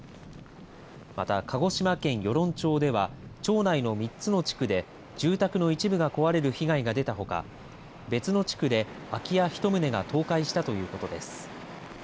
また鹿児島県与論町では町内の３つの地区で住宅の一部が壊れる被害が出たほか別の地区で空き家１棟が倒壊したということです。